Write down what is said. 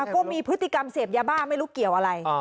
ก็มีพฤติกรรมเสพยาบ้าไม่รู้เกี่ยวอะไร